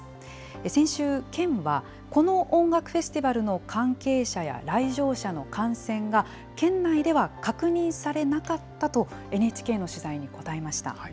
先週、県はこの音楽フェスティバルの関係者や来場者の感染が県内では確認されなかったと、ＮＨＫの取材に答えました。